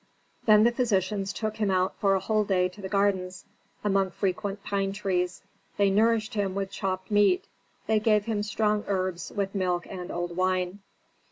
Then the physicians took him out for a whole day to the gardens, among frequent pine trees, they nourished him with chopped meat; they gave him strong herbs with milk and old wine.